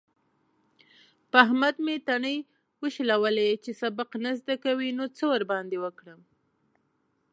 په احمد مې تڼۍ وشلولې. چې سبق نه زده کوي؛ نو څه ورباندې وکړم؟!